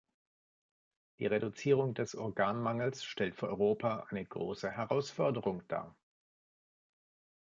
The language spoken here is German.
Die Reduzierung des Organmangels stellt für Europa eine große Herausforderung dar.